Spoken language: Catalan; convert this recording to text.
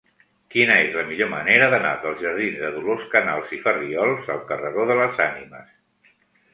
Quina és la millor manera d'anar dels jardins de Dolors Canals i Farriols al carreró de les Ànimes?